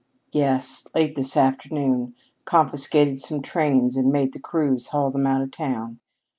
"Yes, left this afternoon confiscated some trains and made the crews haul them out of town.